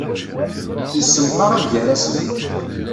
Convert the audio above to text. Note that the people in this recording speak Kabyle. Yessemqarab gar-asen.